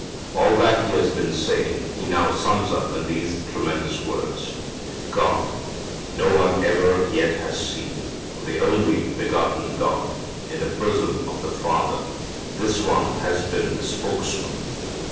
All that he has been saying he now sums up in these tremendous words, "God no one ever yet has seen; the only begotten God, in the bosom of the Father, this One has been the spokesman."